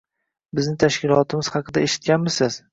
Bizni tashkilotimiz haqida eshitganmisiz?